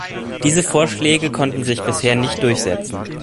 Diese Vorschläge konnten sich bisher nicht durchsetzen.